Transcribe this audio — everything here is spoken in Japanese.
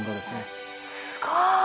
すごい。